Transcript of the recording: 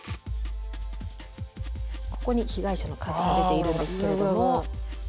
ここに被害者の数が出ているんですけれども。